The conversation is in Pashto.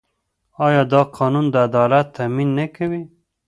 آیا دا قانون د عدالت تامین نه کوي؟